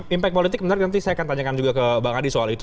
impact politik menarik nanti saya akan tanyakan juga ke bang hadi soal itu